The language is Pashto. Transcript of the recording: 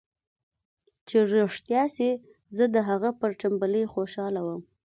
چې رښتيا سي زه د هغه پر ټمبلۍ خوشاله وم.